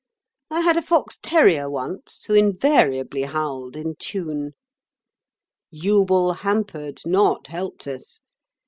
I had a fox terrier once who invariably howled in tune. Jubal hampered, not helped us.